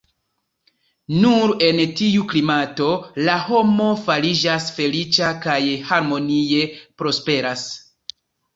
Nur en tiu klimato la homo fariĝas feliĉa kaj harmonie prosperas.